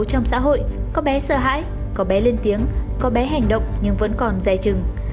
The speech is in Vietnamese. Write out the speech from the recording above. trong xã hội có bé sợ hãi có bé lên tiếng có bé hành động nhưng vẫn còn dài chừng